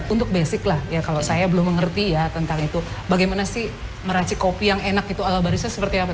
untuk basic lah ya kalau saya belum mengerti ya tentang itu bagaimana sih meracik kopi yang enak itu ala barisnya seperti apa